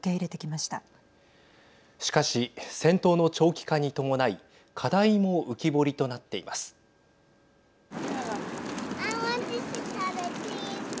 しかし、戦闘の長期化に伴い課題も浮き彫りとなっています。